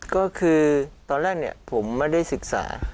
ก็คือตอนแรกผมไม่ได้ศึกษา